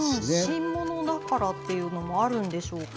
新物だからっていうのもあるんでしょうか。